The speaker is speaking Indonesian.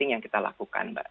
yang kita lakukan mbak